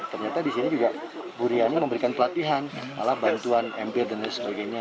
ternyata di sini juga buriani memberikan pelatihan ala bantuan ember dan sebagainya